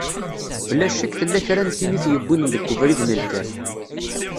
Bla ccek tella kra n tin i t-yewwin deg ubrid n lkaf.